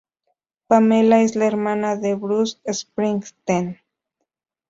Pamela es la hermana de Bruce Springsteen.